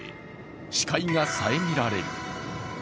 視界が遮られる。